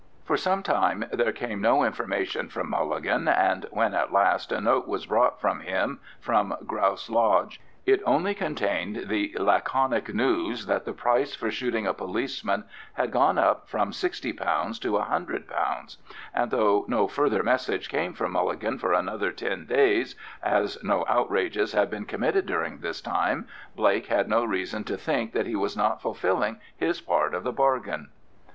For some time there came no information from Mulligan, and when at last a note was brought from him from Grouse Lodge, it only contained the laconic news that the price for shooting a policeman had gone up from £60 to £100; and though no further message came from Mulligan for another ten days, as no outrages had been committed during this time, Blake had no reason to think that he was not fulfilling his part of the bargain.